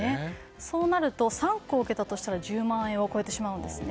そうなると３校受けたとしたら１０万円を超えてしまうんです。